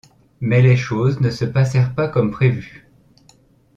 Mais les choses ne se passèrent pas comme prévu.